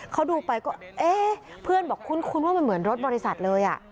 เขาดูไปก็เอ๊ะเพื่อนบอกคุ้นว่ามันเหมือนรถบริษัทเลย